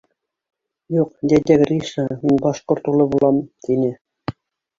— Юҡ, дядя Гриша, мин башҡорт улы булам, — тине.